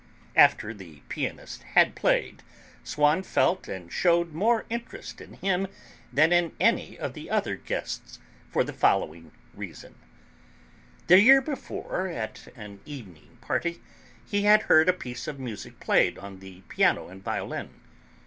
After the pianist had played, Swann felt and shewed more interest in him than in any of the other guests, for the following reason: The year before, at an evening party, he had heard a piece of music played on the piano and violin.